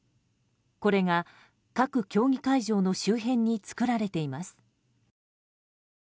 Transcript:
これが各競技会場の周辺に作られています。